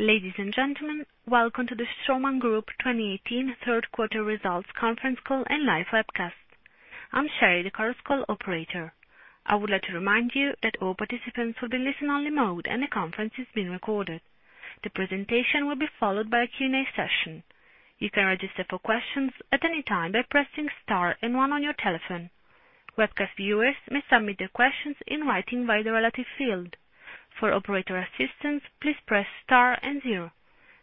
Ladies and gentlemen, welcome to the Straumann Group 2018 third quarter results conference call and live webcast. I am Sherry, the conference call operator. I would like to remind you that all participants will be listen-only mode and the conference is being recorded. The presentation will be followed by a Q&A session. You can register for questions at any time by pressing star and one on your telephone. Webcast viewers may submit their questions in writing via the relative field. For operator assistance, please press star and zero.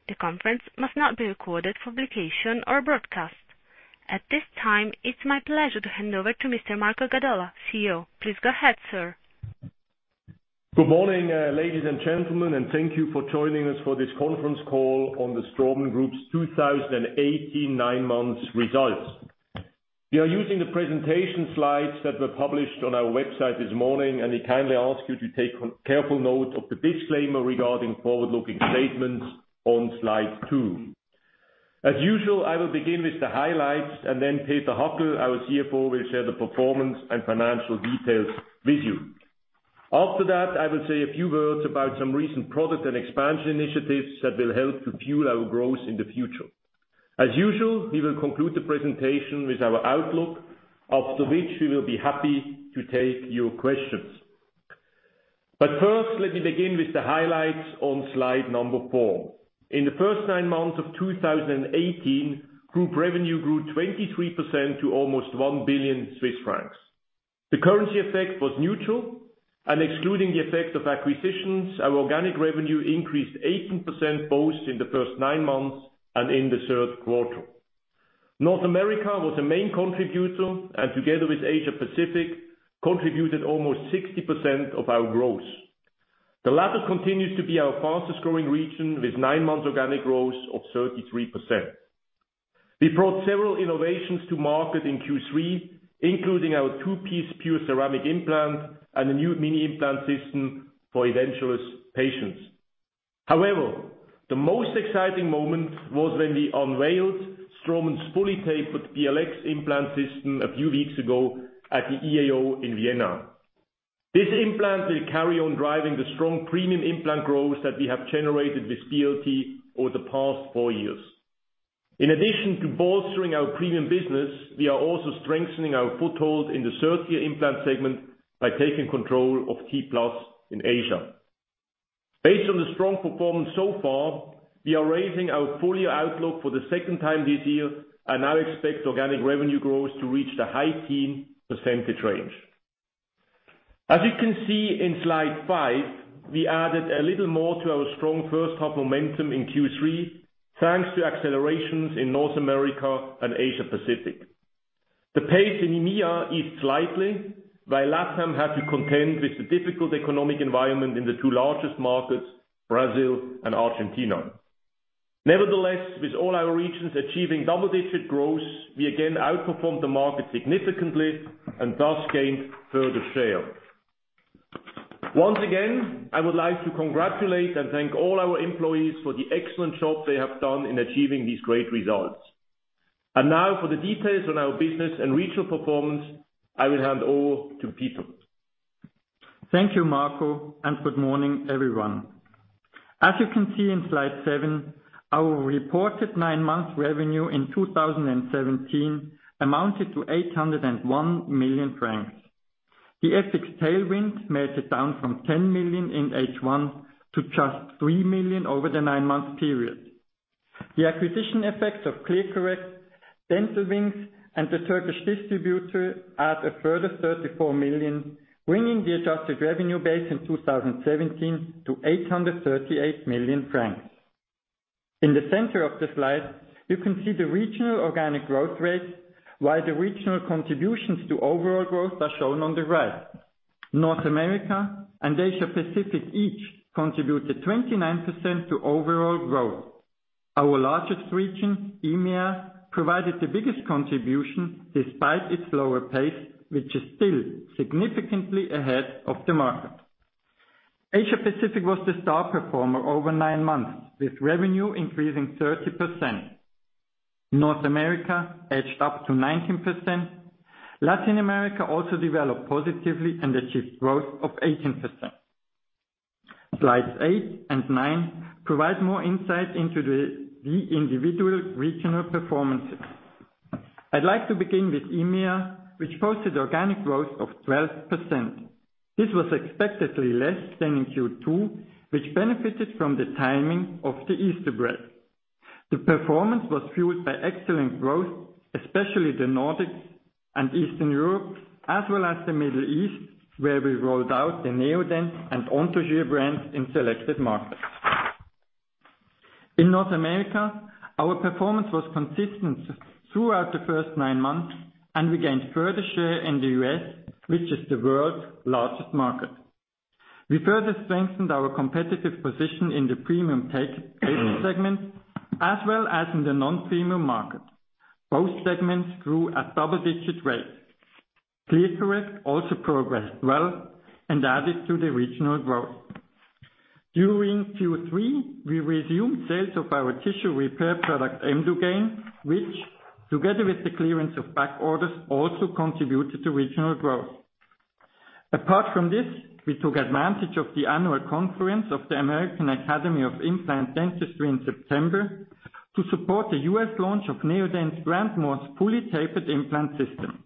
The conference must not be recorded for publication or broadcast. At this time, it is my pleasure to hand over to Mr. Marco Gadola, CEO. Please go ahead, sir. Good morning, ladies and gentlemen, and thank you for joining us for this conference call on the Straumann Group's 2018 nine months results. We are using the presentation slides that were published on our website this morning, and we kindly ask you to take careful note of the disclaimer regarding forward-looking statements on slide two. As usual, I will begin with the highlights, and then Peter Hackel, our CFO, will share the performance and financial details with you. After that, I will say a few words about some recent product and expansion initiatives that will help to fuel our growth in the future. As usual, we will conclude the presentation with our outlook, after which we will be happy to take your questions. First, let me begin with the highlights on slide number four. In the first nine months of 2018, group revenue grew 23% to almost 1 billion Swiss francs. The currency effect was neutral, and excluding the effect of acquisitions, our organic revenue increased 18% both in the first nine months and in the third quarter. North America was a main contributor, and together with Asia Pacific, contributed almost 60% of our growth. The latter continues to be our fastest-growing region, with nine months organic growth of 33%. We brought several innovations to market in Q3, including our two-piece pure ceramic implant and a new mini implant system for edentulous patients. However, the most exciting moment was when we unveiled Straumann's fully tapered BLX implant system a few weeks ago at the EAO in Vienna. This implant will carry on driving the strong premium implant growth that we have generated with BLT over the past four years. In addition to bolstering our premium business, we are also strengthening our foothold in the value implant segment by taking control of T-Plus in Asia. Based on the strong performance so far, we are raising our full year outlook for the second time this year and now expect organic revenue growth to reach the high teen percentage range. As you can see in slide five, we added a little more to our strong first half momentum in Q3, thanks to accelerations in North America and Asia Pacific. The pace in EMEA eased slightly, while LatAm had to contend with the difficult economic environment in the two largest markets, Brazil and Argentina. Nevertheless, with all our regions achieving double-digit growth, we again outperformed the market significantly and thus gained further share. Once again, I would like to congratulate and thank all our employees for the excellent job they have done in achieving these great results. Now for the details on our business and regional performance, I will hand over to Peter. Thank you, Marco, and good morning, everyone. As you can see in slide seven, our reported nine-month revenue in 2017 amounted to 801 million francs. The FX tailwind melted down from 10 million in H1 to just 3 million over the nine-month period. The acquisition effects of ClearCorrect, Dental Wings, and the Turkish distributor add a further 34 million, bringing the adjusted revenue base in 2017 to 838 million francs. In the center of the slide, you can see the regional organic growth rates, while the regional contributions to overall growth are shown on the right. North America and Asia Pacific each contributed 29% to overall growth. Our largest region, EMEA, provided the biggest contribution despite its slower pace, which is still significantly ahead of the market. Asia Pacific was the star performer over nine months, with revenue increasing 30%. North America edged up to 19%. Latin America also developed positively and achieved growth of 18%. Slides eight and nine provide more insight into the individual regional performances. I'd like to begin with EMEA, which posted organic growth of 12%. This was expectedly less than in Q2, which benefited from the timing of the Easter break. The performance was fueled by excellent growth, especially the Nordics and Eastern Europe, as well as the Middle East, where we rolled out the Neodent and Anthogyr brands in selected markets. In North America, our performance was consistent throughout the first nine months, and we gained further share in the U.S., which is the world's largest market. We further strengthened our competitive position in the premium tech segment, as well as in the non-premium market. Both segments grew at double-digit rates. ClearCorrect also progressed well and added to the regional growth. In Q3, we resumed sales of our tissue repair product, Emdogain, which together with the clearance of back orders, also contributed to regional growth. Apart from this, we took advantage of the annual conference of the American Academy of Implant Dentistry in September to support the U.S. launch of Neodent's Grand Morse fully tapered implant system.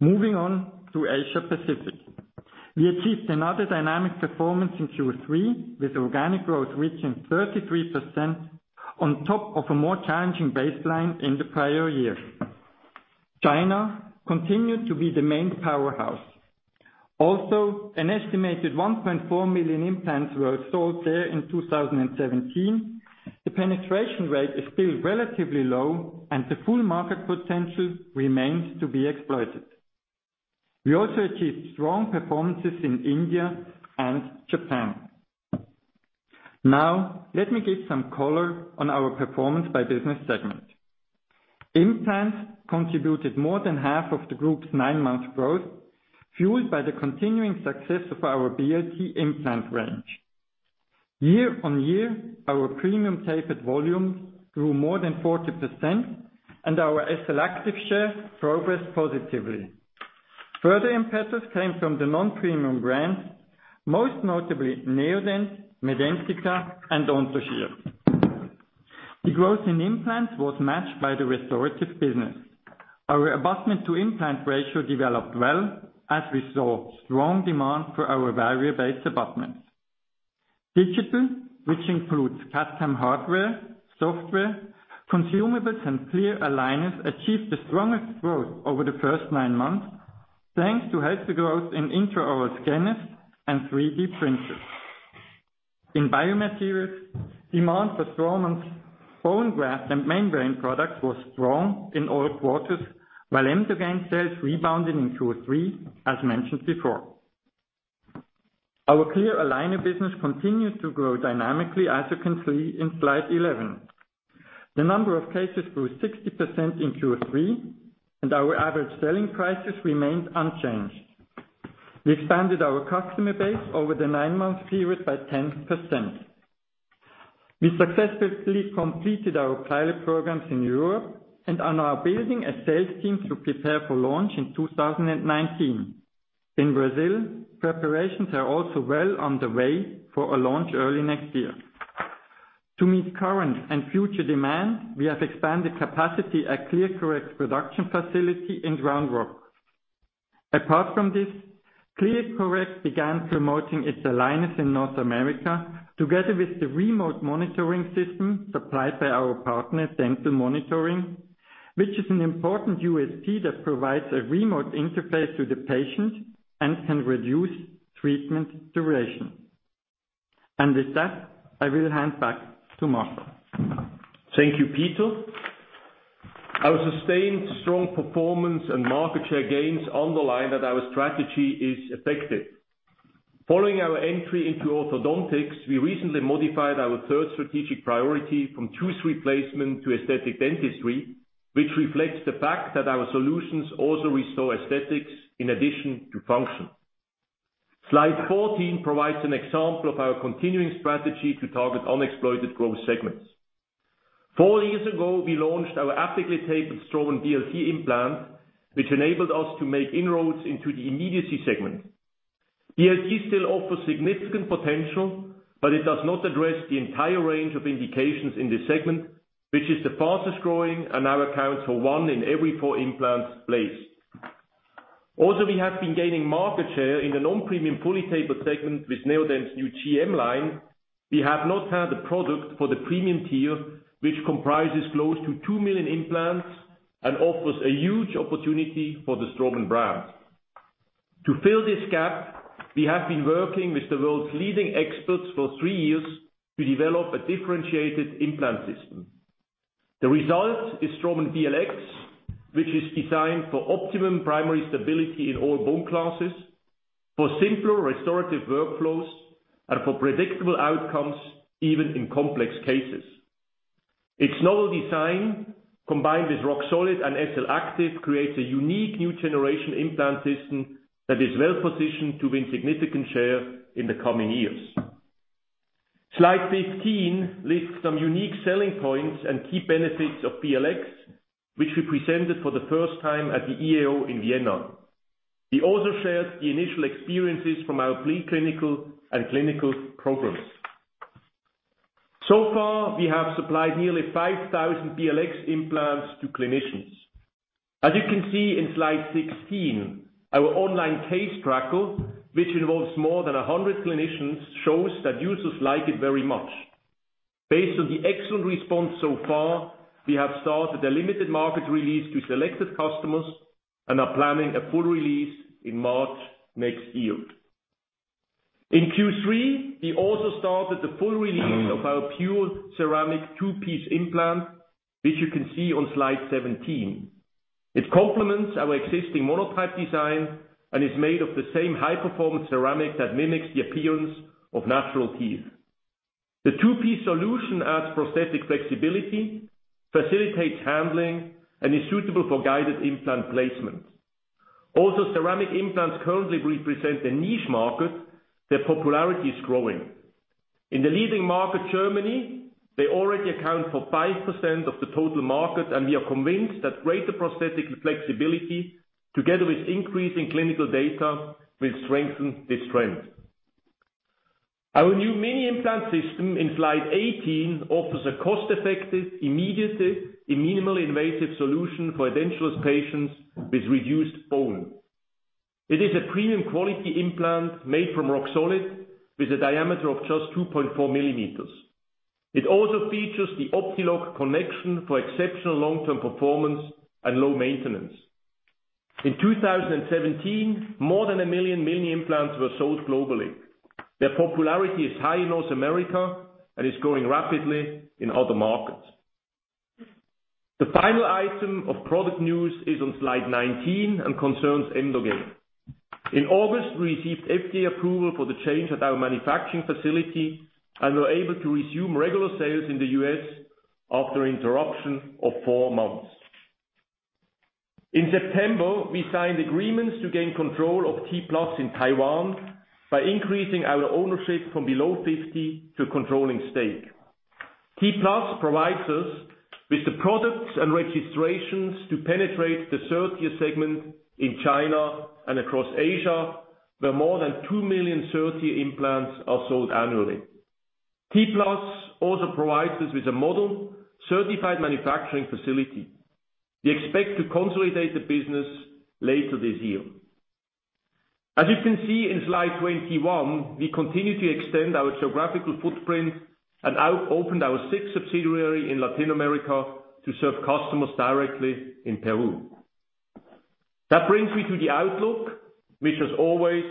Moving on to Asia Pacific. We achieved another dynamic performance in Q3 with organic growth reaching 33% on top of a more challenging baseline in the prior year. China continued to be the main powerhouse. Also, an estimated 1.4 million implants were sold there in 2017. The penetration rate is still relatively low, and the full market potential remains to be exploited. We also achieved strong performances in India and Japan. Let me give some color on our performance by business segment. Implants contributed more than half of the group's nine-month growth, fueled by the continuing success of our BLT implant range. Year-on-year, our premium tapered volumes grew more than 40%, and our SLActive share progressed positively. Further impetus came from the non-premium brands, most notably Neodent, Medentika, and Anthogyr. The growth in implants was matched by the restorative business. Our abutment-to-implant ratio developed well as we saw strong demand for our value-based abutments. Digital, which includes custom hardware, software, consumables, and clear aligners, achieved the strongest growth over the first nine months, thanks to healthy growth in intraoral scanners and 3D printers. In biomaterials, demand for Straumann's bone graft and membrane products was strong in all quarters, while Emdogain sales rebounded in Q3 as mentioned before. Our clear aligner business continued to grow dynamically, as you can see in slide 11. The number of cases grew 60% in Q3. Our average selling prices remained unchanged. We expanded our customer base over the nine-month period by 10%. We successfully completed our pilot programs in Europe and are now building a sales team to prepare for launch in 2019. In Brazil, preparations are also well on the way for a launch early next year. To meet current and future demand, we have expanded capacity at ClearCorrect's production facility in Round Rock. Apart from this, ClearCorrect began promoting its aligners in North America together with the remote monitoring system supplied by our partner, Dental Monitoring, which is an important USP that provides a remote interface to the patient and can reduce treatment duration. With that, I will hand back to Marco. Thank you, Peter. Our sustained strong performance and market share gains underline that our strategy is effective. Following our entry into orthodontics, we recently modified our third strategic priority from tooth replacement to aesthetic dentistry, which reflects the fact that our solutions also restore aesthetics in addition to function. Slide 14 provides an example of our continuing strategy to target unexploited growth segments. Four years ago, we launched our apically-tapered Straumann BLT implant, which enabled us to make inroads into the immediacy segment. BLT still offers significant potential, but it does not address the entire range of indications in this segment, which is the fastest-growing and now accounts for one in every four implants placed. Also, we have been gaining market share in the non-premium fully tapered segment with Neodent's new GM line. We have not had a product for the premium tier, which comprises close to 2 million implants and offers a huge opportunity for the Straumann brand. To fill this gap, we have been working with the world's leading experts for three years to develop a differentiated implant system. The result is Straumann BLX, which is designed for optimum primary stability in all bone classes, for simpler restorative workflows, and for predictable outcomes even in complex cases. Its novel design, combined with Roxolid and SLActive, creates a unique new generation implant system that is well positioned to win significant share in the coming years. Slide 15 lists some unique selling points and key benefits of BLX, which we presented for the first time at the EAO in Vienna. We also shared the initial experiences from our pre-clinical and clinical programs. So far, we have supplied nearly 5,000 BLX implants to clinicians. As you can see in slide 16, our online case tracker, which involves more than 100 clinicians, shows that users like it very much. Based on the excellent response so far, we have started a limited market release to selected customers and are planning a full release in March next year. In Q3, we also started the full release of our pure ceramic two-piece implant, which you can see on slide 17. It complements our existing monotype design and is made of the same high-performance ceramic that mimics the appearance of natural teeth. The two-piece solution adds prosthetic flexibility, facilitates handling, and is suitable for guided implant placement. Also, ceramic implants currently represent a niche market. Their popularity is growing. In the leading market, Germany, they already account for 5% of the total market. We are convinced that greater prosthetic flexibility together with increasing clinical data, will strengthen this trend. Our new mini implant system in slide 18 offers a cost-effective, immediate, and minimally invasive solution for edentulous patients with reduced bone. It is a premium quality implant made from Roxolid with a diameter of just 2.4 millimeters. It also features the Optiloc connection for exceptional long-term performance and low maintenance. In 2017, more than 1 million mini implants were sold globally. Their popularity is high in North America and is growing rapidly in other markets. The final item of product news is on slide 19 and concerns Emdogain. In August, we received FDA approval for the change at our manufacturing facility and were able to resume regular sales in the U.S. after interruption of four months. In September, we signed agreements to gain control of T-Plus in Taiwan by increasing our ownership from below 50 to a controlling stake. T-Plus provides us with the products and registrations to penetrate the third-tier segment in China and across Asia, where more than 2 million third-tier implants are sold annually. T-Plus also provides us with a model-certified manufacturing facility. We expect to consolidate the business later this year. As you can see in slide 21, we continue to extend our geographical footprint and opened our sixth subsidiary in Latin America to serve customers directly in Peru. That brings me to the outlook, which as always,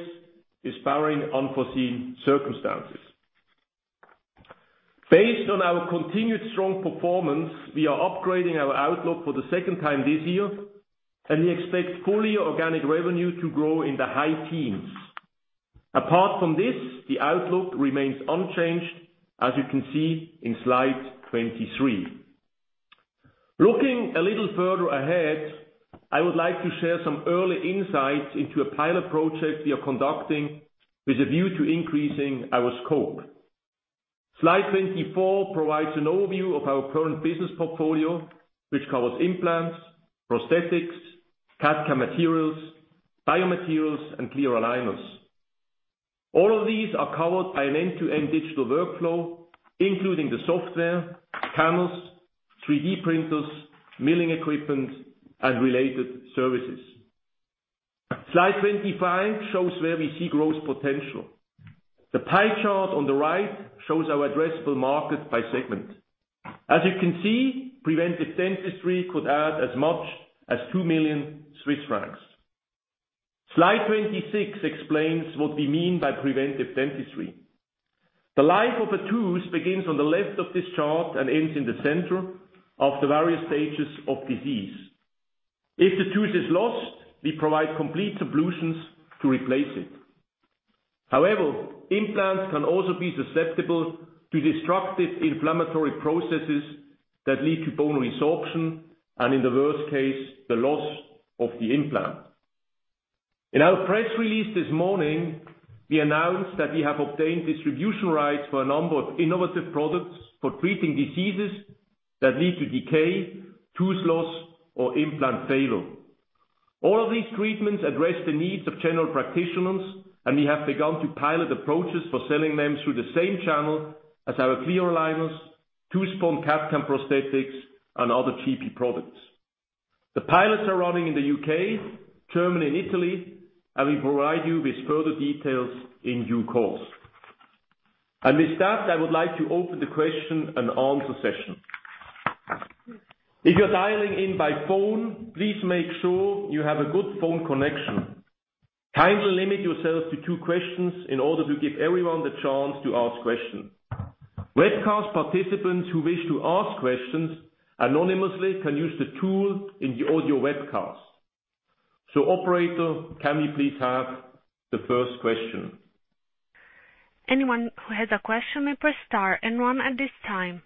is barring unforeseen circumstances. Based on our continued strong performance, we are upgrading our outlook for the second time this year. We expect fully organic revenue to grow in the high teens. Apart from this, the outlook remains unchanged, as you can see in slide 23. Looking a little further ahead, I would like to share some early insights into a pilot project we are conducting with a view to increasing our scope. Slide 24 provides an overview of our current business portfolio, which covers implants, prosthetics, CAD/CAM materials, biomaterials, and clear aligners. All of these are covered by an end-to-end digital workflow, including the software, cameras, 3D printers, milling equipment, and related services. Slide 25 shows where we see growth potential. The pie chart on the right shows our addressable market by segment. As you can see, preventive dentistry could add as much as 2 million Swiss francs. Slide 26 explains what we mean by preventive dentistry. The life of a tooth begins on the left of this chart and ends in the center after various stages of disease. If the tooth is lost, we provide complete solutions to replace it. Implants can also be susceptible to destructive inflammatory processes that lead to bone resorption and in the worst case, the loss of the implant. In our press release this morning, we announced that we have obtained distribution rights for a number of innovative products for treating diseases that lead to decay, tooth loss, or implant failure. All of these treatments address the needs of general practitioners, and we have begun to pilot approaches for selling them through the same channel as our clear aligners, tooth-borne CAD/CAM prosthetics, and other GP products. The pilots are running in the U.K., Germany, and Italy, and we'll provide you with further details in due course. With that, I would like to open the question and answer session. If you're dialing in by phone, please make sure you have a good phone connection. Kindly limit yourself to two questions in order to give everyone the chance to ask questions. Webcast participants who wish to ask questions anonymously can use the tool in the audio webcast. Operator, can we please have the first question? Anyone who has a question may press star and one at this time.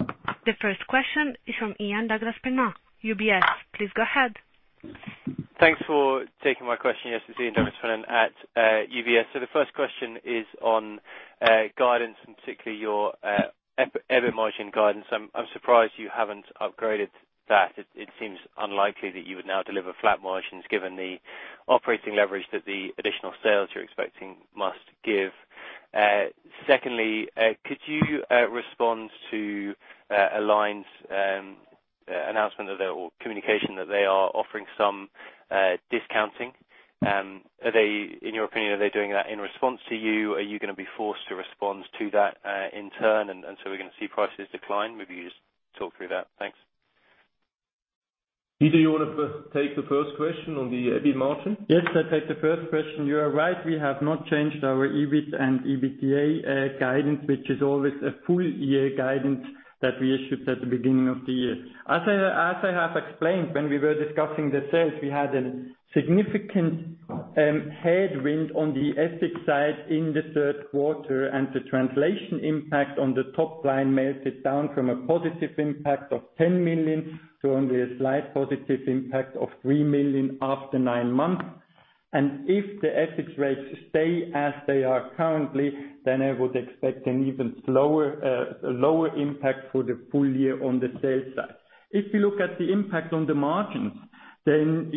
The first question is from Ian Douglas-Pennant, UBS. Please go ahead. Thanks for taking my question. This is Ian Douglas-Pennant at UBS. The first question is on guidance, and particularly your EBIT margin guidance. I'm surprised you haven't upgraded that. It seems unlikely that you would now deliver flat margins given the operating leverage that the additional sales you're expecting must give. Secondly, could you respond to Align's announcement or communication that they are offering some discounting? In your opinion, are they doing that in response to you? Are you going to be forced to respond to that in turn, we're going to see prices decline? Maybe you just talk through that. Thanks. Peter, you want to take the first question on the EBIT margin? Yes, I'll take the first question. You are right, we have not changed our EBIT and EBITDA guidance, which is always a full year guidance that we issued at the beginning of the year. As I have explained when we were discussing the sales, we had a significant headwind on the FX side in the third quarter, and the translation impact on the top line melted down from a positive impact of 10 million to only a slight positive impact of 3 million after nine months. If the FX rates stay as they are currently, then I would expect an even lower impact for the full year on the sales side. If you look at the impact on the margins, then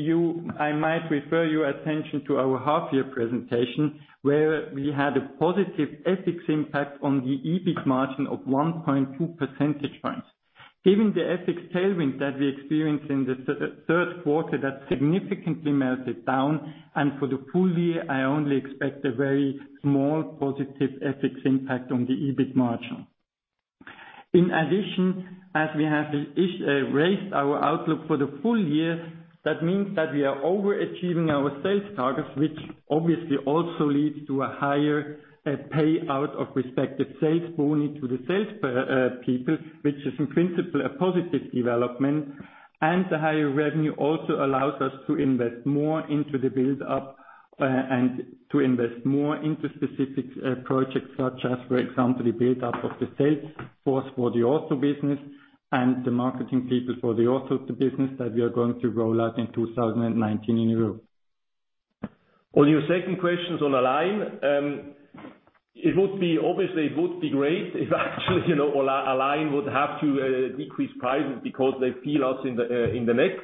I might refer your attention to our half year presentation where we had a positive FX impact on the EBIT margin of 1.2 percentage points. Given the FX tailwind that we experienced in the third quarter, that significantly melted down, and for the full year, I only expect a very small positive FX impact on the EBIT margin. In addition, as we have raised our outlook for the full year, that means that we are overachieving our sales targets, which obviously also leads to a higher payout of respective sales bonus to the sales people, which is in principle a positive development. The higher revenue also allows us to invest more into the build-up and to invest more into specific projects such as, for example, the build-up of the sales force for the ortho business and the marketing people for the ortho business that we are going to roll out in 2019 in Europe. On your second questions on Align, obviously it would be great if actually Align would have to decrease prices because they feel us in the neck.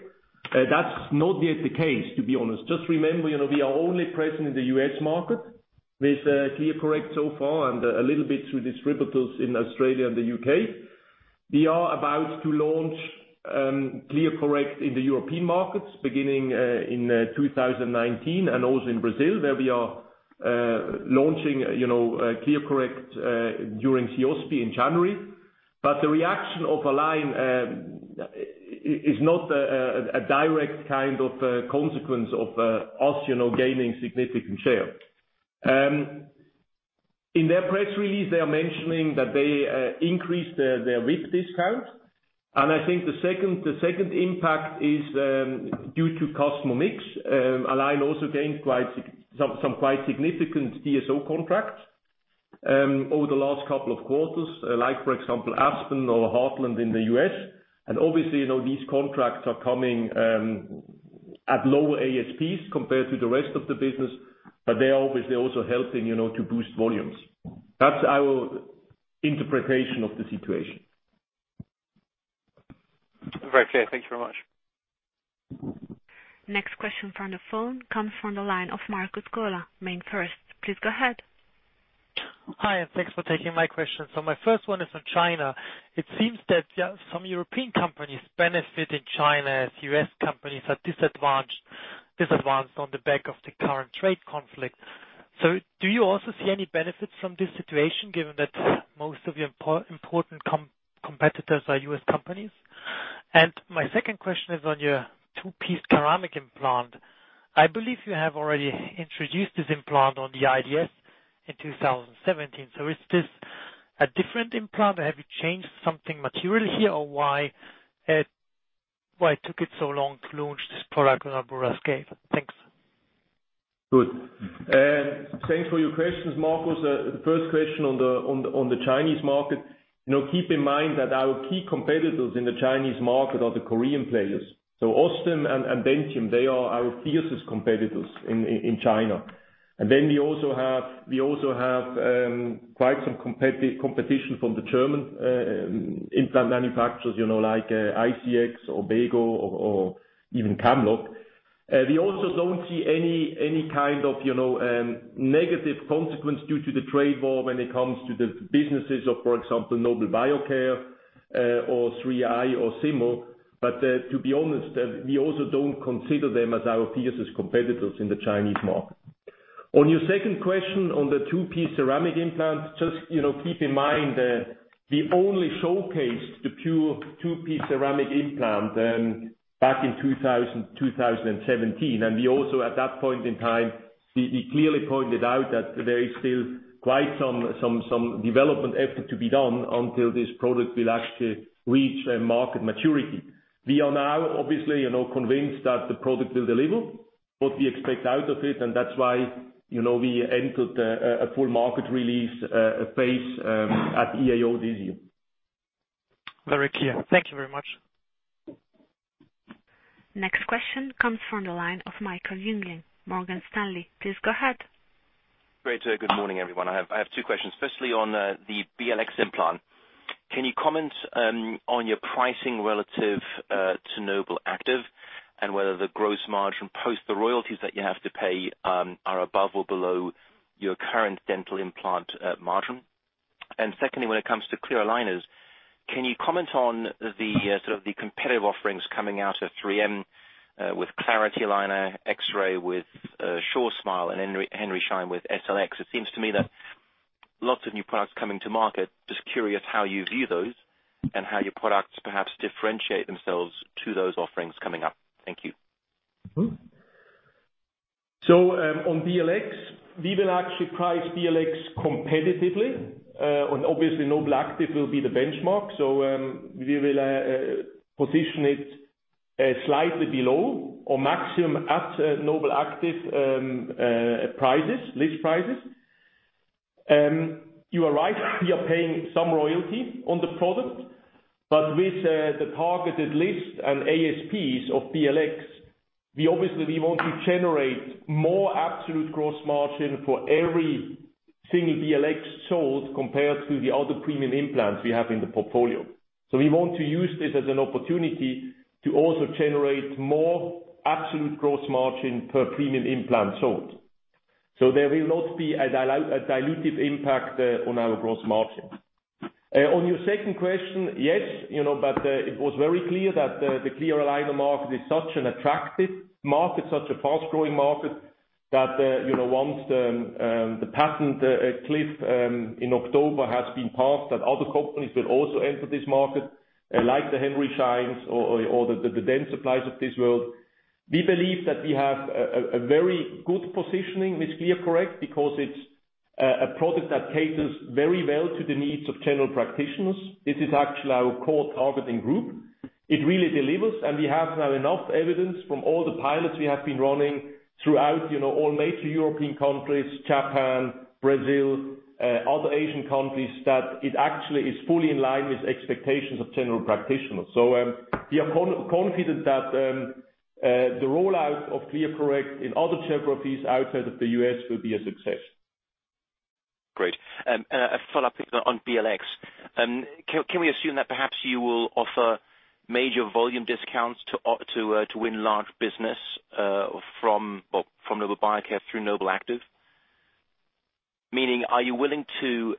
That's not yet the case, to be honest. Just remember, we are only present in the U.S. market with ClearCorrect so far and a little bit through distributors in Australia and the U.K. We are about to launch ClearCorrect in the European markets beginning in 2019 and also in Brazil where we are launching ClearCorrect during CIOSP in January. The reaction of Align is not a direct kind of consequence of us gaining significant share. In their press release, they are mentioning that they increased their risk discount. I think the second impact is due to customer mix. Align also gained some quite significant DSO contracts over the last couple of quarters, like for example, Aspen or Heartland in the U.S. Obviously, these contracts are coming at lower ASPs compared to the rest of the business, but they are obviously also helping to boost volumes. That's our interpretation of the situation. Very clear. Thank you very much. Next question from the phone comes from the line of Markus Gola, MainFirst. Please go ahead. Hi, thanks for taking my question. My first one is on China. It seems that some European companies benefit in China as U.S. companies are disadvantaged on the back of the current trade conflict. Do you also see any benefits from this situation given that most of your important competitors are U.S. companies? My second question is on your two-piece ceramic implant. I believe you have already introduced this implant on the IDS in 2017. Is this a different implant or have you changed something material here or why it took it so long to launch this product on a broader scale? Thanks. Good. Thanks for your questions, Markus. The first question on the Chinese market. Keep in mind that our key competitors in the Chinese market are the Korean players. Osstem and Dentsply, they are our fiercest competitors in China. We also have quite some competition from the German implant manufacturers like ICX or WEGO or even Camlog. We also don't see any kind of negative consequence due to the trade war when it comes to the businesses of, for example, Nobel Biocare or 3i or Zimmer Biomet. To be honest, we also don't consider them as our fiercest competitors in the Chinese market. On your second question on the two-piece ceramic implant, just keep in mind that we only showcased the pure two-piece ceramic implant back in 2017. We also at that point in time, we clearly pointed out that there is still quite some development effort to be done until this product will actually reach a market maturity. We are now obviously convinced that the product will deliver what we expect out of it, and that's why we entered a full market release phase at EAO this year. Very clear. Thank you very much. Next question comes from the line of Michael Jüngling, Morgan Stanley. Please go ahead. Great. Good morning, everyone. I have two questions. Firstly, on the BLX implant. Can you comment on your pricing relative to NobelActive and whether the gross margin post the royalties that you have to pay are above or below your current dental implant margin? Secondly, when it comes to clear aligners, can you comment on the competitive offerings coming out of 3M with Clarity Aligners, Dentsply Sirona with SureSmile and Henry Schein with SLX? It seems to me that lots of new products coming to market. Just curious how you view those and how your products perhaps differentiate themselves to those offerings coming up. Thank you. On BLX, we will actually price BLX competitively, and obviously NobelActive will be the benchmark. We will position it slightly below or maximum at NobelActive list prices. You are right, we are paying some royalty on the product. With the targeted list and ASPs of BLX, obviously we want to generate more absolute gross margin for every single BLX sold compared to the other premium implants we have in the portfolio. We want to use this as an opportunity to also generate more absolute gross margin per premium implant sold. There will not be a dilutive impact on our gross margin. On your second question, yes. It was very clear that the clear aligner market is such an attractive market, such a fast-growing market, that once the patent cliff in October has been passed, that other companies will also enter this market, like the Henry Scheins or the Dentsply Sironas of this world. We believe that we have a very good positioning with ClearCorrect because it is a product that caters very well to the needs of general practitioners. This is actually our core targeting group. It really delivers, and we have now enough evidence from all the pilots we have been running throughout all major European countries, Japan, Brazil, other Asian countries, that it actually is fully in line with expectations of general practitioners. We are confident that the rollout of ClearCorrect in other geographies outside of the U.S. will be a success. Great. A follow-up on BLX. Can we assume that perhaps you will offer major volume discounts to win large business from Nobel Biocare through NobelActive? Meaning, are you willing to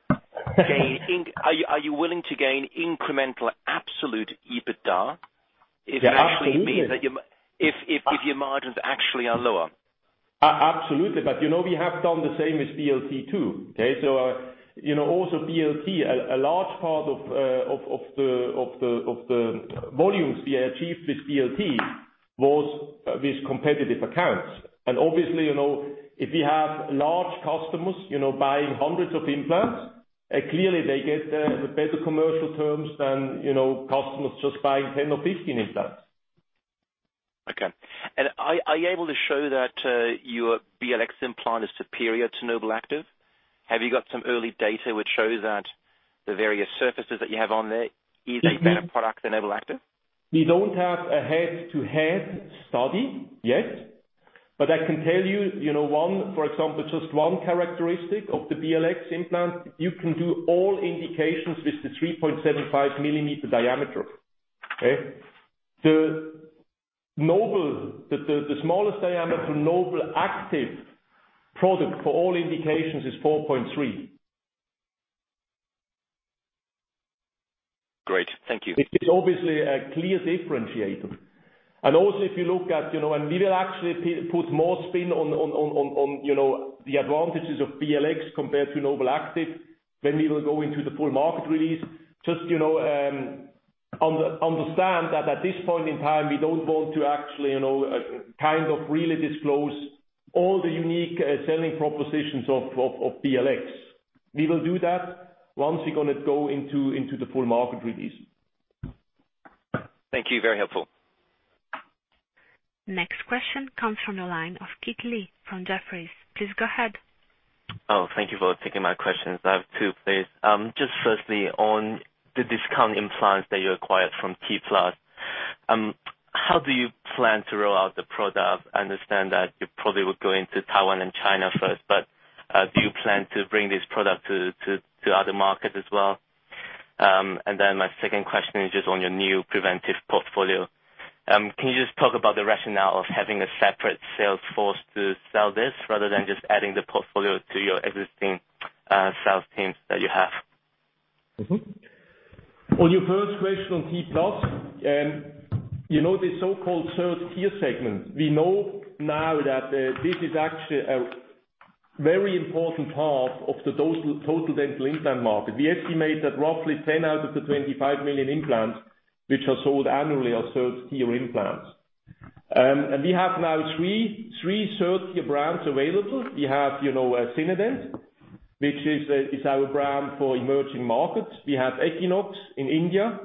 gain incremental absolute EBITDA if it actually means that? Yeah, absolutely. If your margins actually are lower? Absolutely, we have done the same with BLT, too, okay? Also BLT, a large part of the volumes we achieved with BLT was with competitive accounts. Obviously, if we have large customers buying hundreds of implants, clearly they get better commercial terms than customers just buying 10 or 15 implants. Okay. Are you able to show that your BLX implant is superior to NobelActive? Have you got some early data which shows that the various surfaces that you have on there is a better product than NobelActive? We don't have a head-to-head study yet. I can tell you, for example, just one characteristic of the BLX implant, you can do all indications with the 3.75-millimeter diameter. Okay? The smallest diameter NobelActive product for all indications is 4.3. Great. Thank you. It is obviously a clear differentiator. Also we will actually put more spin on the advantages of BLX compared to NobelActive when we will go into the full market release. Just understand that at this point in time, we don't want to actually really disclose all the unique selling propositions of BLX. We will do that once we're going to go into the full market release. Thank you. Very helpful. Next question comes from the line of Kit Lee from Jefferies. Please go ahead. Thank you for taking my questions. I have two, please. Firstly, on the discount implants that you acquired from T-Plus. How do you plan to roll out the product? I understand that you probably would go into Taiwan and China first, but do you plan to bring this product to other markets as well? My second question is just on your new preventive portfolio. Can you just talk about the rationale of having a separate sales force to sell this rather than just adding the portfolio to your existing sales teams that you have? On your first question on T-Plus, this so-called third-tier segment, we know now that this is actually a very important part of the total dental implant market. We estimate that roughly 10 out of the 25 million implants which are sold annually are third-tier implants. We have now three third-tier brands available. We have Sinodent, which is our brand for emerging markets, we have Equinox in India,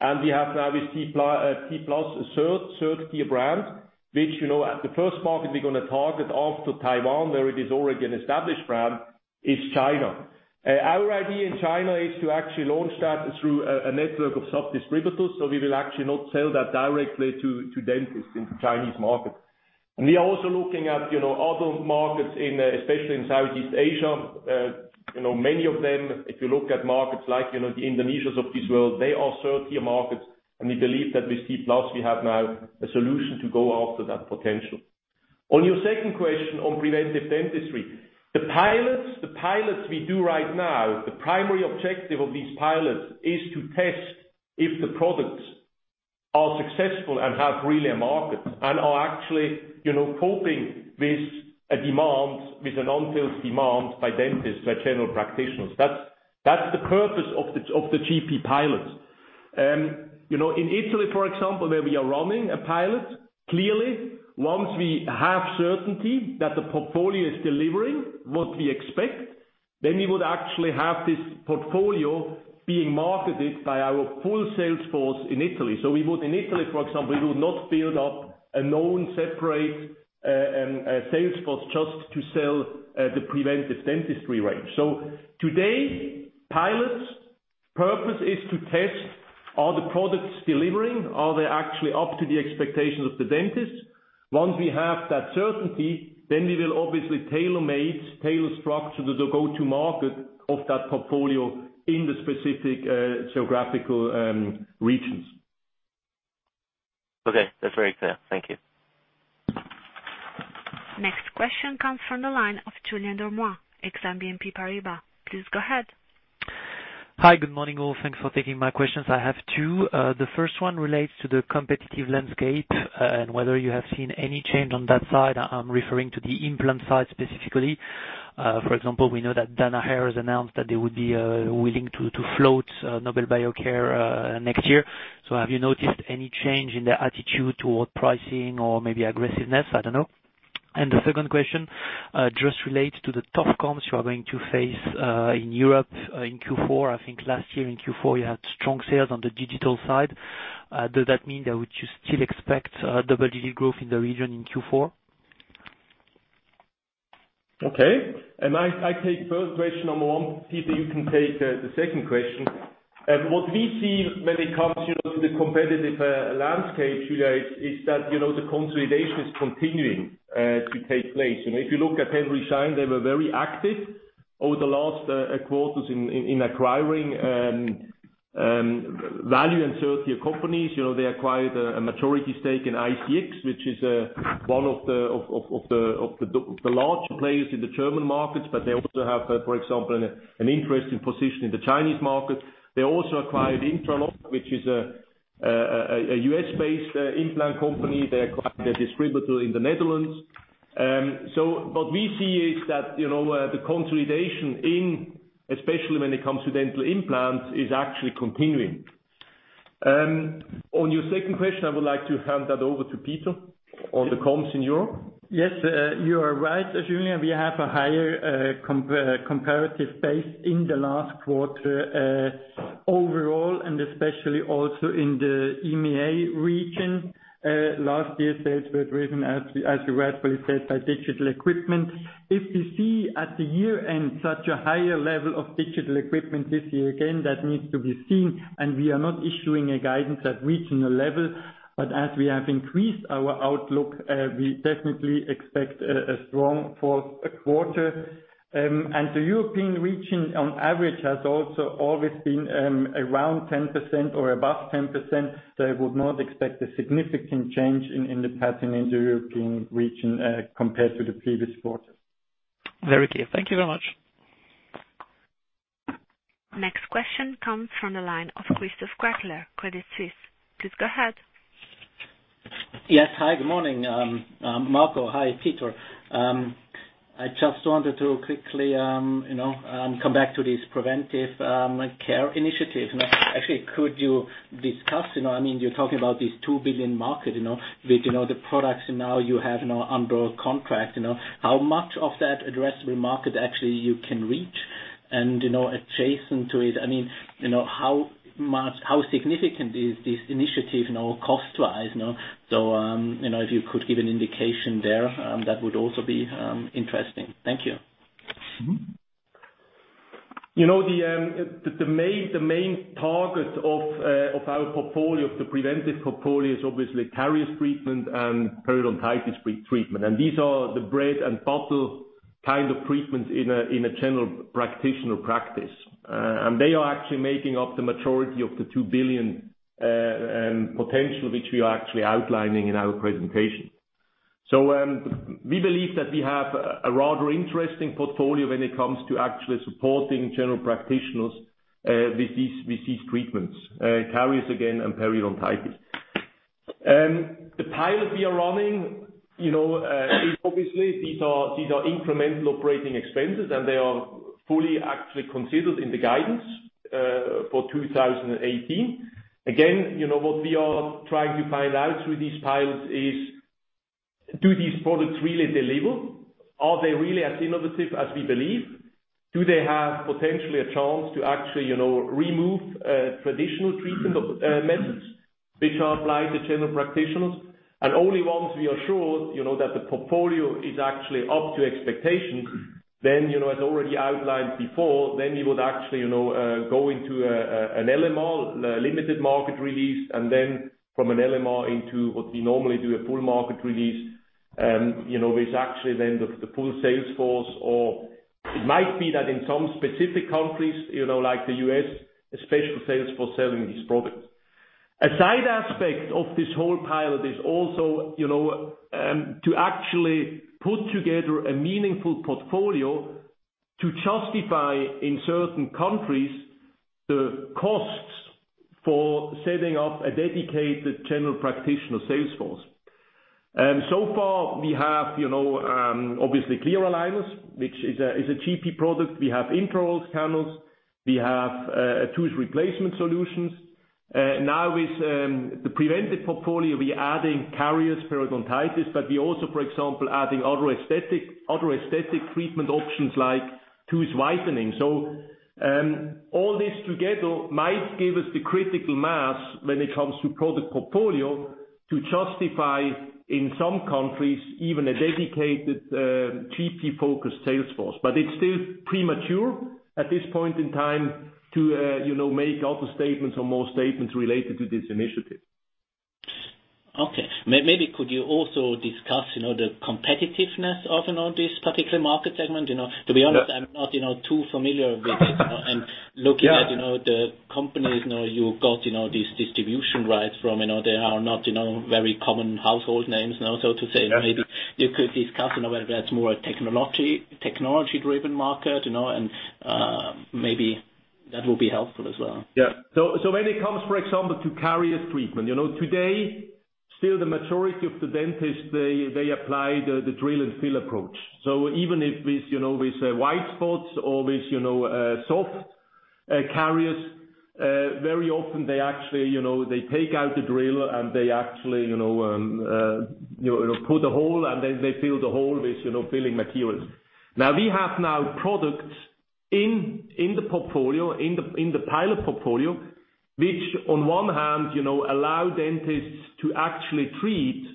and we have now with T-Plus, a third-tier brand, which the first market we're going to target after Taiwan, where it is already an established brand, is China. Our idea in China is to actually launch that through a network of sub-distributors. We will actually not sell that directly to dentists in the Chinese market. We are also looking at other markets, especially in Southeast Asia. Many of them, if you look at markets like the Indonesias of this world, they are third-tier markets, we believe that with T-Plus, we have now a solution to go after that potential. On your second question on preventive dentistry. The pilots we do right now, the primary objective of these pilots is to test if the products are successful and have really a market, and are actually coping with a demand, with an untold demand by dentists, by general practitioners. That's the purpose of the GP pilots. In Italy, for example, where we are running a pilot, clearly, once we have certainty that the portfolio is delivering what we expect, we would actually have this portfolio being marketed by our full sales force in Italy. In Italy, for example, we would not build up a known, separate sales force just to sell the preventive dentistry range. Today, pilot purpose is to test: Are the products delivering, are they actually up to the expectations of the dentist? Once we have that certainty, we will obviously tailor-make, tailor-structure the go-to market of that portfolio in the specific geographical regions. Okay. That's very clear. Thank you. Next question comes from the line of Julien Dormois, Exane BNP Paribas. Please go ahead. Hi. Good morning, all. Thanks for taking my questions. I have two. The first one relates to the competitive landscape and whether you have seen any change on that side. I'm referring to the implant side specifically. For example, we know that Danaher has announced that they would be willing to float Nobel Biocare next year. Have you noticed any change in their attitude toward pricing or maybe aggressiveness? I don't know. The second question just relates to the top comps you are going to face in Europe in Q4. I think last year in Q4, you had strong sales on the digital side. Does that mean that would you still expect double-digit growth in the region in Q4? Okay. I take first question number one. Peter, you can take the second question. What we see when it comes to the competitive landscape, Julien, is that the consolidation is continuing to take place. If you look at Henry Schein, they were very active over the last quarters in acquiring value in certain companies. They acquired a maturity stake in ICX, which is one of the larger players in the German markets. They also have, for example, an interesting position in the Chinese market. They also acquired Intra-Lock, which is a U.S.-based implant company. They acquired a distributor in the Netherlands. What we see is that the consolidation in, especially when it comes to dental implants, is actually continuing. On your second question, I would like to hand that over to Peter on the comms in Europe. Yes, you are right, Julien. We have a higher comparative base in the last quarter overall, and especially also in the EMEA region. Last year, sales were driven, as you rightfully said, by digital equipment. If we see at the year-end such a higher level of digital equipment this year, again, that needs to be seen, and we are not issuing a guidance at regional level. As we have increased our outlook, we definitely expect a strong fourth quarter. The European region, on average, has also always been around 10% or above 10%, so I would not expect a significant change in the pattern in the European region compared to the previous quarter. Very clear. Thank you very much. Next question comes from the line of Christoph Gretler, Credit Suisse. Please go ahead. Yes. Hi, good morning. Marco, hi. Peter. I just wanted to quickly come back to this preventive care initiative. Actually, could you discuss, you're talking about this 2 billion market with the products now you have under contract. How much of that addressable market actually you can reach? Adjacent to it, how significant is this initiative cost-wise? If you could give an indication there, that would also be interesting. Thank you. The main target of our portfolio, of the preventive portfolio is obviously caries treatment and periodontitis treatment. These are the bread and butter kind of treatments in a general practitioner practice. They are actually making up the majority of the 2 billion potential, which we are actually outlining in our presentation. We believe that we have a rather interesting portfolio when it comes to actually supporting general practitioners with these treatments: caries, again, and periodontitis. The pilot we are running, obviously these are incremental operating expenses, and they are fully actually considered in the guidance for 2018. Again, what we are trying to find out through these pilots is, do these products really deliver? Are they really as innovative as we believe? Do they have potentially a chance to actually remove traditional treatment methods which are applied to general practitioners? Only once we are sure that the portfolio is actually up to expectation, then as already outlined before, then we would actually go into an LMR, limited market release, and then from an LMR into what we normally do, a full market release with actually then the full sales force. It might be that in some specific countries like the U.S., a special sales force selling these products. A side aspect of this whole pilot is also to actually put together a meaningful portfolio to justify in certain countries the costs for setting up a dedicated general practitioner sales force. So far we have obviously clear aligners, which is a GP product. We have intraoral scanners. We have tooth replacement solutions. Now with the preventive portfolio, we adding caries, periodontitis, but we also, for example, adding other aesthetic treatment options like tooth whitening. All this together might give us the critical mass when it comes to product portfolio to justify in some countries, even a dedicated GP-focused sales force. It's still premature at this point in time to make other statements or more statements related to this initiative. Okay. Maybe could you also discuss the competitiveness of this particular market segment? To be honest, I'm not too familiar with it. Yeah. Looking at the companies now you got these distribution rights from, they are not very common household names now, so to say. Yeah. Maybe you could discuss, whether that's more a technology-driven market, and maybe that will be helpful as well. Yeah. When it comes, for example, to caries treatment. Today, still the majority of the dentists, they apply the drill-and-fill approach. Even with white spots or with soft caries, very often they take out the drill, and they actually put a hole, and then they fill the hole with filling materials. We have products in the pilot portfolio, which on one hand allow dentists to actually treat,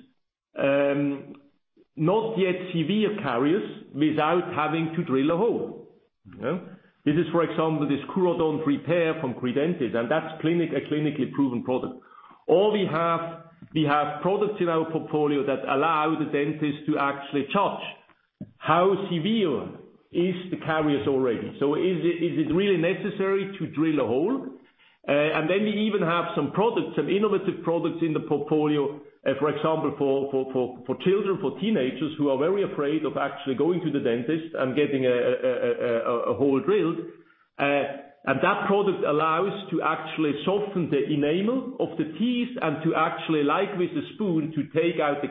not yet severe caries without having to drill a hole. This is, for example, this Curodont Repair from Credentis, and that's a clinically proven product. We have products in our portfolio that allow the dentist to actually judge how severe is the caries already. Is it really necessary to drill a hole? We even have some innovative products in the portfolio, for example, for children, for teenagers who are very afraid of actually going to the dentist and getting a hole drilled. That product allows to actually soften the enamel of the teeth and to actually, like with the spoon, to take out the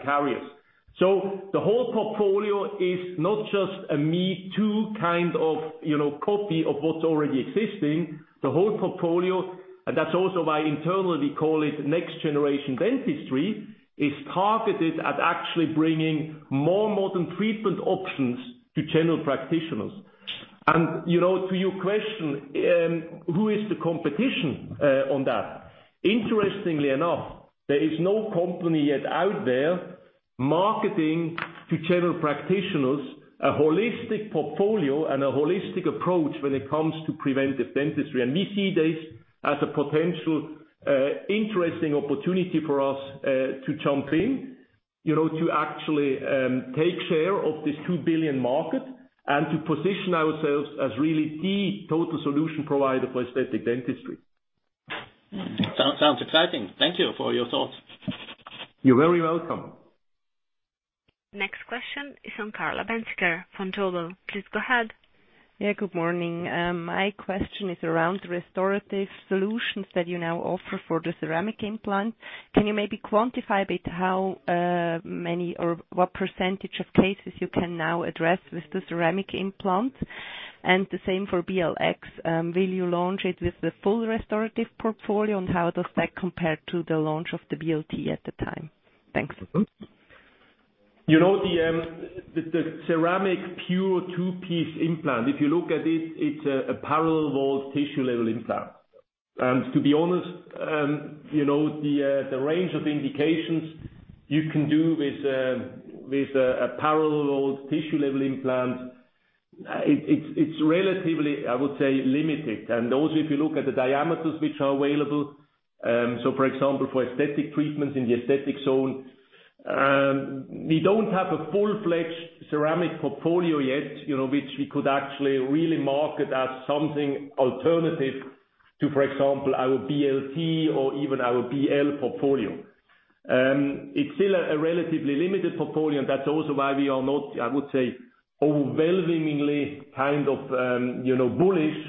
caries. The whole portfolio is not just a me-too kind of copy of what's already existing. The whole portfolio, and that's also why internally we call it next-generation dentistry, is targeted at actually bringing more and more treatment options to general practitioners. To your question, who is the competition on that? Interestingly enough, there is no company yet out there marketing to general practitioners, a holistic portfolio and a holistic approach when it comes to preventive dentistry. We see this as a potential interesting opportunity for us, to jump in, to actually take share of this 2 billion market and to position ourselves as really the total solution provider for aesthetic dentistry. Sounds exciting. Thank you for your thoughts. You're very welcome. Next question is from Carla Bänziger, from Vontobel. Please go ahead. Yeah, good morning. My question is around restorative solutions that you now offer for the ceramic implant. Can you maybe quantify a bit how many or what percentage of cases you can now address with the ceramic implant? The same for BLX. Will you launch it with the full restorative portfolio, and how does that compare to the launch of the BLT at the time? Thanks. You know the ceramic pure two-piece implant, if you look at it's a parallel wall tissue-level implant. To be honest, the range of indications you can do with a parallel wall tissue-level implant, it's relatively, I would say, limited. Also if you look at the diameters which are available, so for example, for aesthetic treatments in the aesthetic zone, we don't have a full-fledged ceramic portfolio yet, which we could actually really market as something alternative to, for example, our BLT or even our BL portfolio. It's still a relatively limited portfolio, and that's also why we are not, I would say, overwhelmingly bullish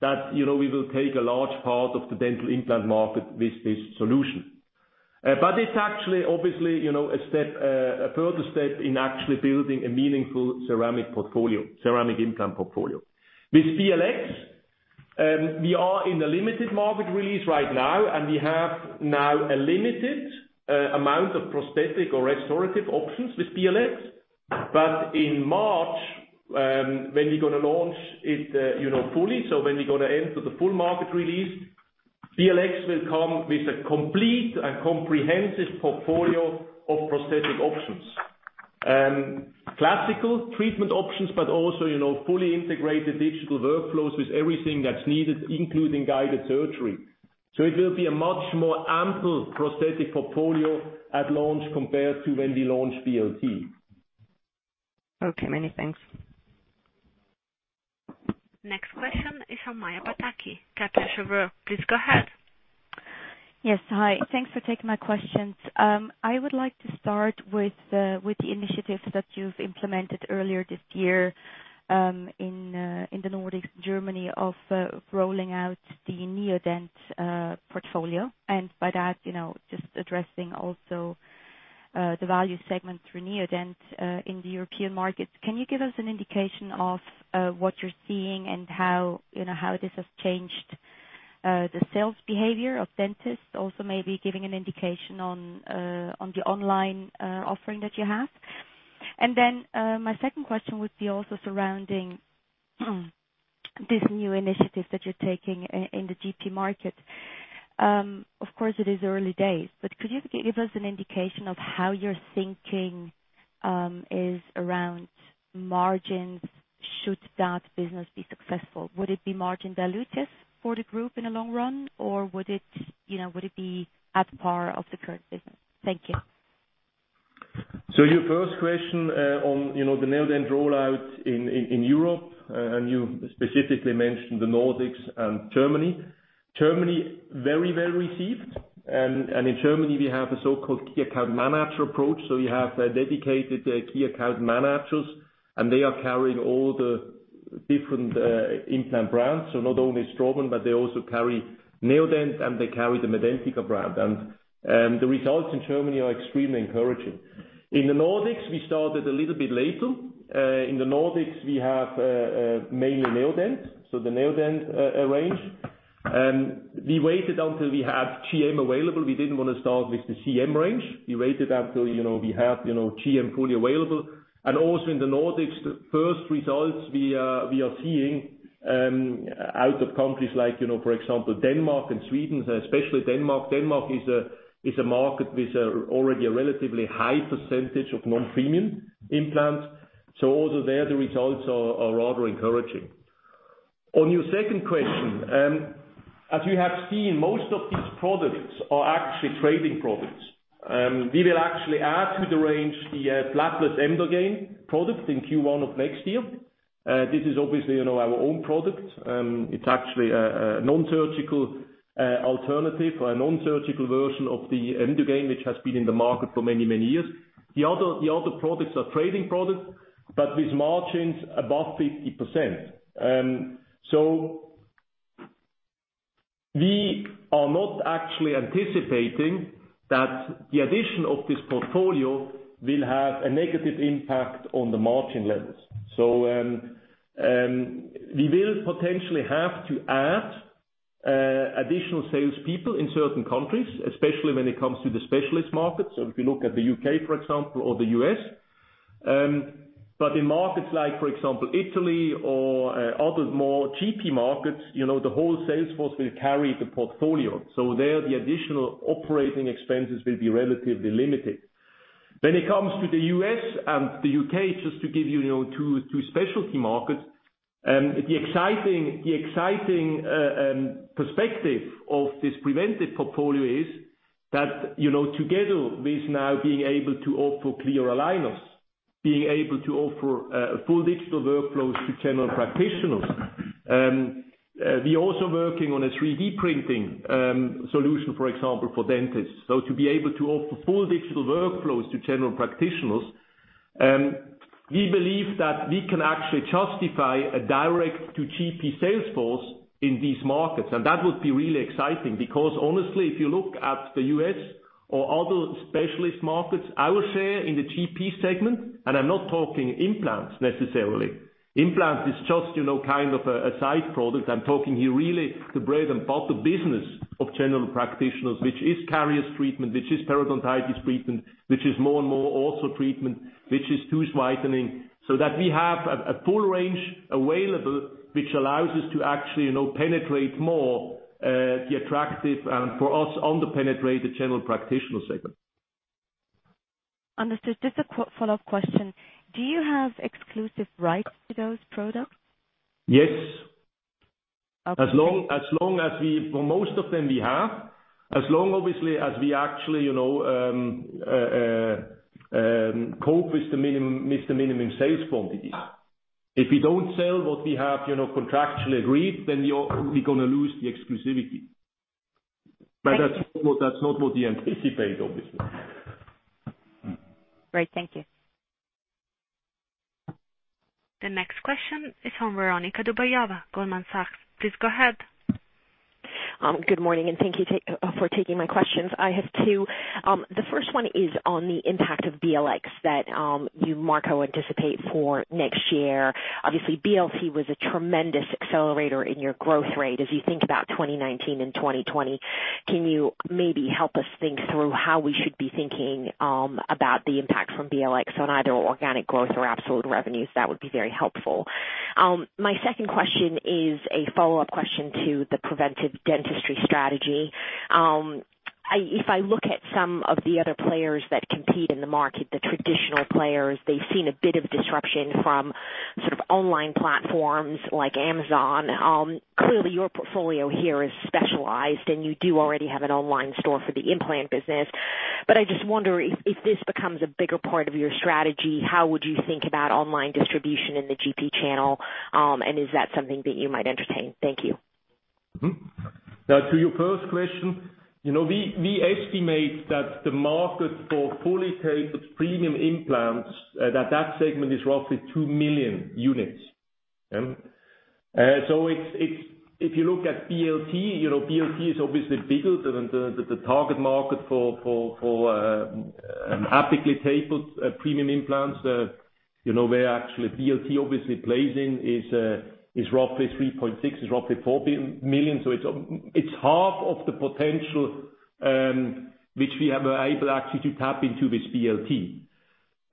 that we will take a large part of the dental implant market with this solution. It's actually, obviously, a further step in actually building a meaningful ceramic implant portfolio. With BLX, we are in the limited market release right now, and we have now a limited amount of prosthetic or restorative options with BLX. In March, when we're going to launch it fully, so when we're going to enter the full market release, BLX will come with a complete and comprehensive portfolio of prosthetic options. Classical treatment options, but also fully integrated digital workflows with everything that's needed, including guided surgery. It will be a much more ample prosthetic portfolio at launch compared to when we launched BLT. Okay, many thanks. Next question is from Maja Pataki, Kepler Cheuvreux. Please go ahead. Yes, hi. Thanks for taking my questions. I would like to start with the initiatives that you've implemented earlier this year, in the Nordics and Germany of rolling out the Neodent portfolio. By that, just addressing also the value segment through Neodent, in the European markets. Can you give us an indication of what you're seeing and how this has changed the sales behavior of dentists? Also, maybe giving an indication on the online offering that you have. My second question would be also surrounding this new initiative that you're taking in the GP market. Of course, it is early days, could you give us an indication of how your thinking is around margins should that business be successful? Would it be margin dilutive for the group in the long run, or would it be at par of the current business? Thank you. Your first question on the Neodent rollout in Europe, you specifically mentioned the Nordics and Germany. Germany, very well received. In Germany, we have a so-called key account manager approach. We have dedicated key account managers, they are carrying all the different implant brands. Not only Straumann, they also carry Neodent, they carry the Medentika brand. The results in Germany are extremely encouraging. In the Nordics, we started a little bit later. In the Nordics, we have mainly Neodent, so the Neodent range. We waited until we had GM available. We didn't want to start with the CM range. We waited until we had GM fully available. Also in the Nordics, the first results we are seeing out of countries like, for example, Denmark and Sweden, especially Denmark. Denmark is a market with already a relatively high percentage of non-premium implants. Also there, the results are rather encouraging. On your second question, as you have seen, most of these products are actually trading products. We will actually add to the range the flapless Emdogain product in Q1 of next year. This is obviously our own product. It's actually a non-surgical alternative or a non-surgical version of the Emdogain, which has been in the market for many, many years. We are not actually anticipating that the addition of this portfolio will have a negative impact on the margin levels. We will potentially have to add additional salespeople in certain countries, especially when it comes to the specialist market. If you look at the U.K., for example, or the U.S. In markets like, for example, Italy or other more GP markets, the whole salesforce will carry the portfolio. There, the additional operating expenses will be relatively limited. When it comes to the U.S. and the U.K., just to give you two specialty markets, the exciting perspective of this preventive portfolio is that together with now being able to offer clear aligners, being able to offer full digital workflows to general practitioners. We're also working on a 3D printing solution, for example, for dentists. To be able to offer full digital workflows to general practitioners, we believe that we can actually justify a direct to GP salesforce in these markets. That would be really exciting because honestly, if you look at the U.S. or other specialist markets, our share in the GP segment, and I'm not talking implants necessarily. Implant is just a side product. I'm talking here really the bread and butter business of general practitioners, which is caries treatment, which is periodontitis treatment, which is more and more also treatment, which is tooth whitening. That we have a full range available, which allows us to actually penetrate more the attractive and for us under-penetrated general practitioner segment. Understood. Just a follow-up question. Do you have exclusive rights to those products? Yes. Okay. For most of them we have. As long, obviously, as we actually cope with the minimum sales quantities. If we don't sell what we have contractually agreed, we're going to lose the exclusivity. Thank you. That's not what we anticipate, obviously. Great. Thank you. The next question is from Veronika Dubajova, Goldman Sachs. Please go ahead. Good morning. Thank you for taking my questions. I have two. The first one is on the impact of BLX that you, Marco, anticipate for next year. Obviously, BLT was a tremendous accelerator in your growth rate. As you think about 2019 and 2020, can you maybe help us think through how we should be thinking about the impact from BLX on either organic growth or absolute revenues? That would be very helpful. My second question is a follow-up question to the preventive dentistry strategy. If I look at some of the other players that compete in the market, the traditional players, they've seen a bit of disruption from online platforms like Amazon. Clearly, your portfolio here is specialized, and you do already have an online store for the implant business. I just wonder, if this becomes a bigger part of your strategy, how would you think about online distribution in the GP channel, Is that something that you might entertain? Thank you. To your first question, we estimate that the market for fully tapered premium implants, that segment is roughly 2 million units. If you look at BLT is obviously bigger than the target market for apically tapered premium implants. Where actually BLT obviously plays in is roughly 3.6 million, is roughly 4 million. It's half of the potential which we have been able actually to tap into with BLT.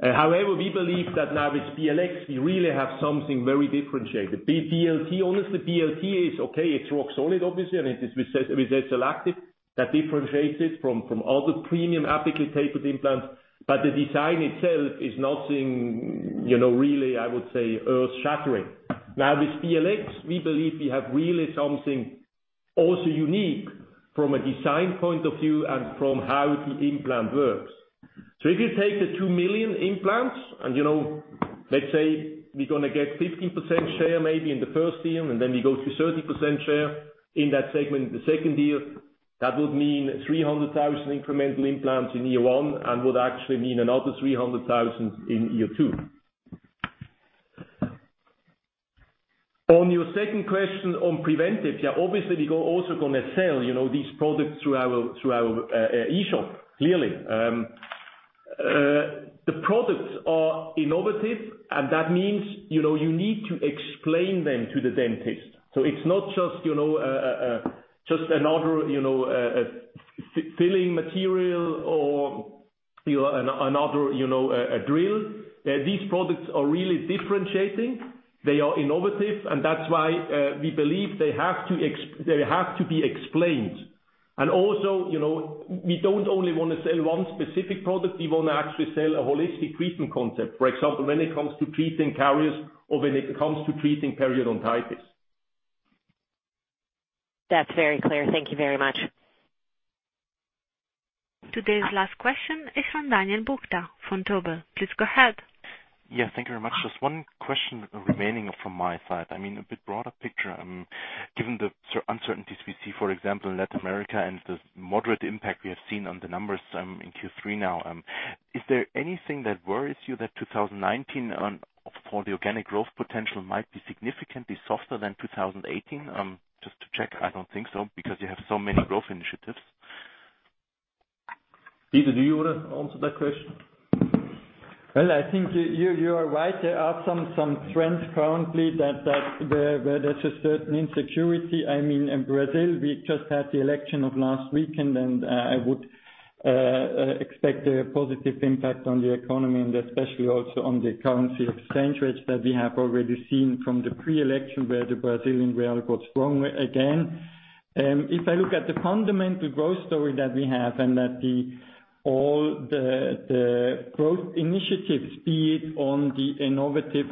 However, we believe that now with BLX, we really have something very differentiated. BLT, honestly, BLT is okay. It's rock solid, obviously, and it is SLActive that differentiates it from other premium apically tapered implants. The design itself is nothing really, I would say, earth shattering. Now with BLX, we believe we have really something also unique from a design point of view and from how the implant works. If you take the 2 million implants and let's say we're going to get 15% share maybe in the first year, then we go to 30% share in that segment in the second year, that would mean 300,000 incremental implants in year one and would actually mean another 300,000 in year two. On your second question on preventive. Yeah, obviously we go also going to sell these products through our e-shop, clearly. The products are innovative, and that means you need to explain them to the dentist. It's not just another filling material or another drill. These products are really differentiating. They are innovative, and that's why we believe they have to be explained. We don't only want to sell one specific product, we want to actually sell a holistic treatment concept. For example, when it comes to treating caries or when it comes to treating periodontitis. That's very clear. Thank you very much. Today's last question is from Daniel Buchta from Vontobel. Please go ahead. Yeah, thank you very much. Just one question remaining from my side. A bit broader picture. Given the uncertainties we see, for example, in Latin America and the moderate impact we have seen on the numbers in Q3 now, is there anything that worries you that 2019 for the organic growth potential might be significantly softer than 2018? Just to check, I don't think so because you have so many growth initiatives. Peter, do you want to answer that question? Well, I think you are right. There are some trends currently where there's a certain insecurity. In Brazil, we just had the election of last weekend. I would expect a positive impact on the economy and especially also on the currency exchange rates that we have already seen from the pre-election where the Brazilian real got strong again. If I look at the fundamental growth story that we have and that all the growth initiatives, be it on the innovative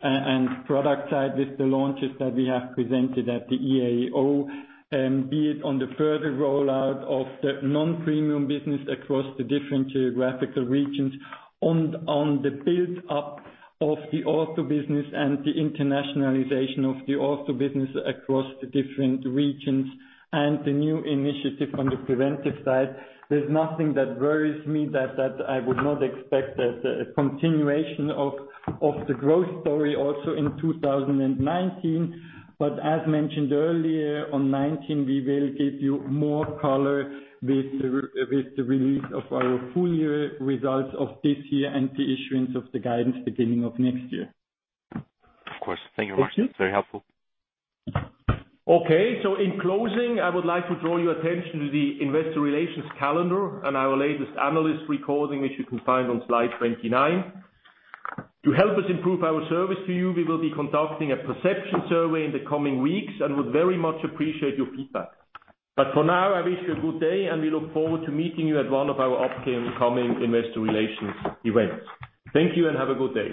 and product side with the launches that we have presented at the EAO, be it on the further rollout of the non-premium business across the different geographical regions and on the build up of the ortho business and the internationalization of the ortho business across the different regions and the new initiative on the preventive side, there's nothing that worries me that I would not expect a continuation of the growth story also in 2019. As mentioned earlier, on 2019, we will give you more color with the release of our full year results of this year and the issuance of the guidance beginning of next year. Of course. Thank you very much. Very helpful. In closing, I would like to draw your attention to the investor relations calendar and our latest analyst recording, which you can find on slide 29. To help us improve our service to you, we will be conducting a perception survey in the coming weeks and would very much appreciate your feedback. For now, I wish you a good day and we look forward to meeting you at one of our upcoming investor relations events. Thank you and have a good day.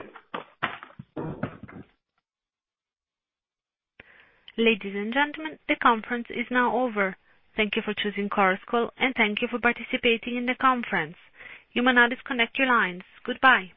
Ladies and gentlemen, the conference is now over. Thank you for choosing Chorus Call and thank you for participating in the conference. You may now disconnect your lines. Goodbye.